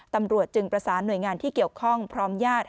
ตำรวจจึงประสานหน่วยงานที่เกี่ยวข้องพร้อมญาติ